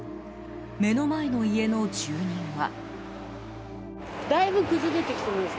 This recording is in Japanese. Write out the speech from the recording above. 目の前の家の住人は。